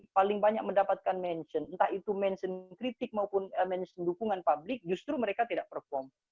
paling banyak mendapatkan mention entah itu mention kritik maupun mention dukungan publik justru mereka tidak perform